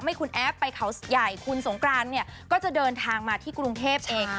ไม่คุณแอฟไปเขาใหญ่คุณสงกรานเนี่ยก็จะเดินทางมาที่กรุงเทพเอง